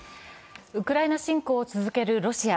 ウクライナ侵攻を続けるロシア。